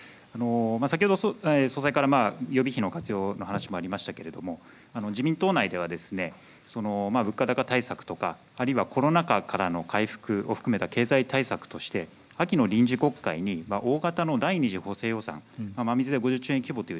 先ほど総裁から予備費の活用の話もありましたけれども自民党内では物価高対策とかあるいはコロナ禍からの回復を含めた経済対策として秋の臨時国会に大型の第２次補正予算